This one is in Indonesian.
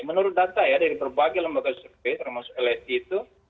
menurut data ya dari berbagai lembaga survei termasuk lsi itu